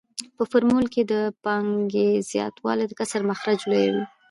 په فورمول کې د پانګې زیاتوالی د کسر مخرج لویوي